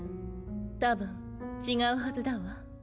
多分違うはずだわ。